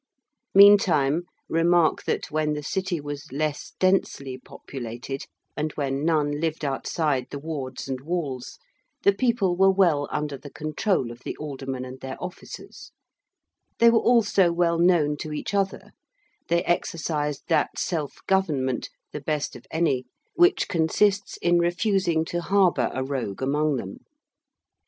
Meantime remark that when the City was less densely populated, and when none lived outside the wards and walls, the people were well under the control of the aldermen and their officers: they were also well known to each other: they exercised that self government the best of any which consists in refusing to harbour a rogue among them.